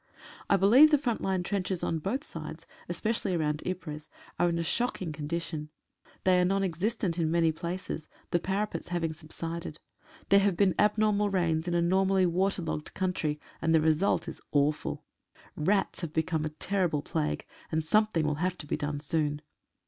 I believe the front line trenches on both sides, especially round Ypres, are in a shocking condition. They are non existent in many 156 CONDITIONS OF WAR. places — the parapets having subsided. There have been abnormal rains in a normally waterlogged country, and the result is awful. Rats have become a terrible plague, and something will have to be done soon.